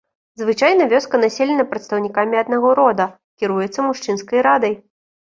Звычайна вёска населена прадстаўнікамі аднаго рода, кіруецца мужчынскай радай.